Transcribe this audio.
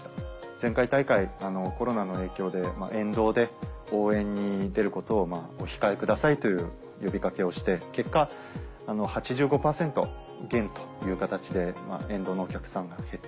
前回大会コロナの影響で沿道で応援に出ることをお控えくださいという呼び掛けをして結果８５％減という形で沿道のお客様が減って。